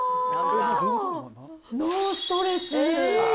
ノーストレス。